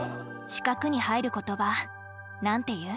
四角に入る言葉何て言う？